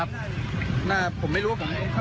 ถ้าว่าใส่มันจอดมันก็อยู่